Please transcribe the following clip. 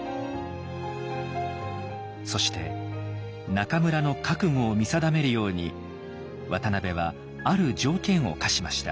そして中村の覚悟を見定めるように渡辺はある条件を課しました。